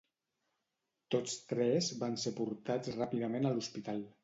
Tots tres van ser portats ràpidament a l'hospital.